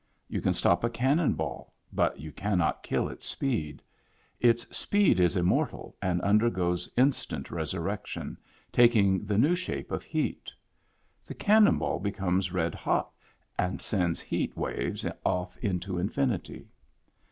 You can stop a cannon ball, but you cannot kill its speed; its speed is immortal and undergoes instant resurrection, taking the new shape of heat. The cannon ball becomes red hot and sends heat waves off into infinity.